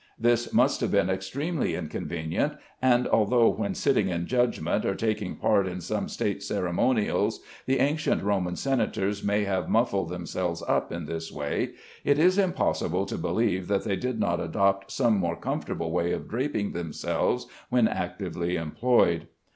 This must have been extremely inconvenient, and although when sitting in judgment or taking part in some state ceremonials, the ancient Roman senators may have muffled themselves up in this way, it is impossible to believe that they did not adopt some more comfortable way of draping themselves when actively employed.